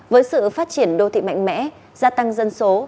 với sự phát triển đô thị mạnh mẽ gia tăng dân số